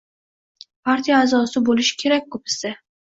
Partiya a’zosi bo‘lishi kerak-ku bizda?